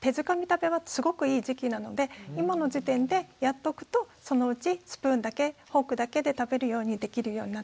食べはすごくいい時期なので今の時点でやっとくとそのうちスプーンだけフォークだけで食べるようにできるようになってきます。